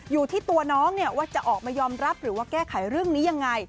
อยู่ที่ตัวน้องว่าจะออกมายอมรับหรือว่าแก้ไขเรื่องนี้ยังไง